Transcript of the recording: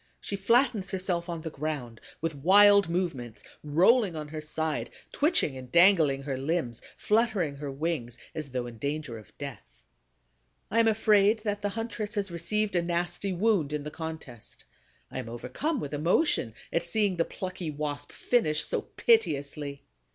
She flattens herself on the ground, with wild movements, rolling on her side, twitching and dangling her limbs, fluttering her wings, as though in danger of death. I am afraid that the huntress has received a nasty wound in the contest. I am overcome with emotion at seeing the plucky Wasp finish so piteously.